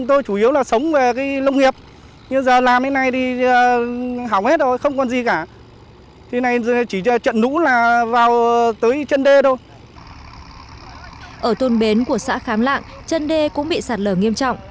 ở thôn bến của xã khám lạng chân đê cũng bị sạt lở nghiêm trọng